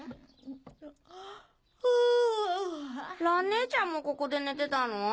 蘭ねえちゃんもここで寝てたの？